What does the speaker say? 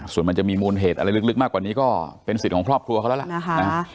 ส่วนมันจะมีมูลเหตุอะไรลึกมากกว่านี้ก็เป็นสิทธิ์ของครอบครัวเขาแล้วล่ะนะคะ